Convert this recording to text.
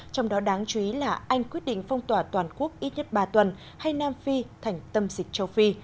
trong đó đáng chú ý là anh quyết định phong tỏa toàn quốc ít nhất ba tuần hay nam phi thành tâm dịch châu phi